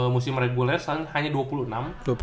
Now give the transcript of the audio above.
musim reguler hanya dua puluh enam